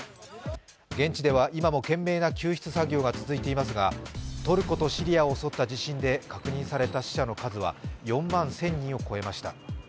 現地では今も懸命な救出作業が続いていますがトルコとシリアを襲った地震で確認された死者の数は４万１０００人を超えました。